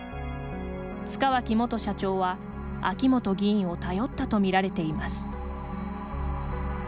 塚脇元社長は秋本議員を頼ったと見られています。